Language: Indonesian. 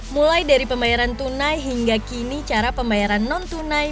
mulai dari pembayaran tunai hingga kini cara pembayaran non tunai